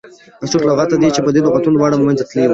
هسټوریک هغه لغتونه دي، چې پدیده او لغتونه دواړه له منځه تللې وي